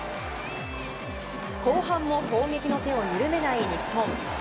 後半も攻撃の手を緩めない日本。